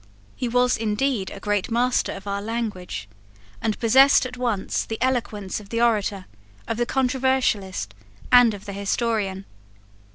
He was indeed a great master of our language, and possessed at once the eloquence of the orator, of the controversialist, and of the historian.